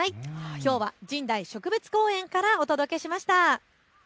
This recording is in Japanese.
きょうは神代植物公園からお届けしました。